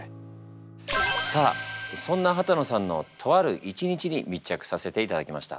さあそんな幡野さんのとある一日に密着させていただきました。